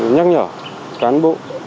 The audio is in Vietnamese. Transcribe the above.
nhắc nhở cán bộ